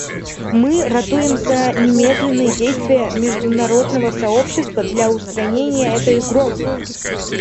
Мы ратуем за немедленные действия международного сообщества для устранения этой угрозы.